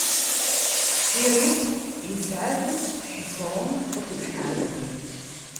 Firiṣ isɛad Ḥiṣrun akked Ḥamul.